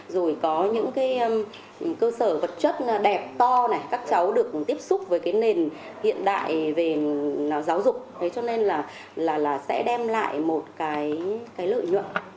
rồi có những cơ sở vật chất đẹp to các cháu được tiếp xúc với nền hiện đại về giáo dục cho nên là sẽ đem lại một lợi nhuận